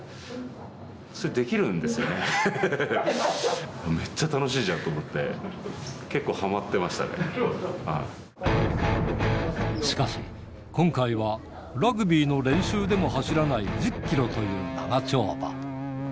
それできるんですよね、めっちゃ楽しいじゃんと思って、結構、しかし、今回はラグビーの練習でも走らない１０キロという長丁場。